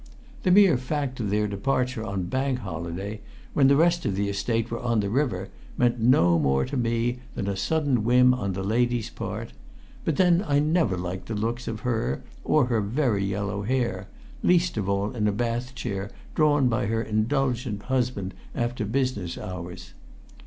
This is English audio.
The mere fact of their departure on Bank Holiday, when the rest of the Estate were on the river, meant no more to me than a sudden whim on the lady's part; but then I never liked the looks of her or her very yellow hair, least of all in a bath chair drawn by her indulgent husband after business hours.